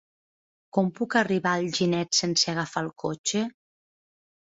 Com puc arribar a Alginet sense agafar el cotxe?